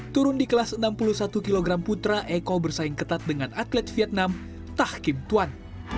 turun di kelas enam puluh satu kg putra eko bersaing ketat dengan atlet vietnam tah kim tuan